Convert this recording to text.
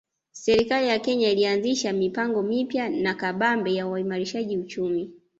Serikali ya Kenya ilianzisha mipango mipya na kabambe ya uimarishaji uchumi